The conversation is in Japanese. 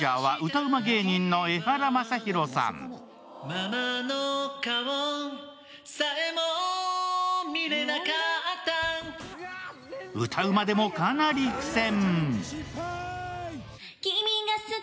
歌ウマでも、かなり苦戦。